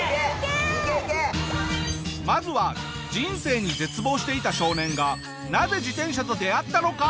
まずは人生に絶望していた少年がなぜ自転車と出会ったのか？